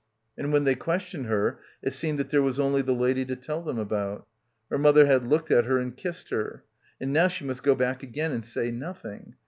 And when they questioned her it seemed that there was only the lady to tell them about. Her mother had looked at her and kissed her. And now she must go back again, and say nothing.